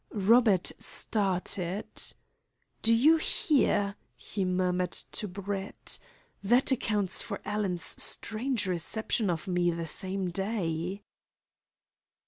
Robert started. "Do you hear?" he murmured to Brett. "That accounts for Alan's strange reception of me the same day."